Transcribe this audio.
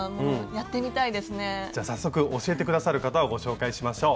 じゃ早速教えて下さる方をご紹介しましょう。